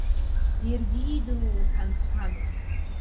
Иаргьы иидыруа уҳәан-сҳәануп.